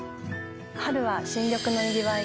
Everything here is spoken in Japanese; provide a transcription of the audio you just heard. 春は新緑のにぎわいが。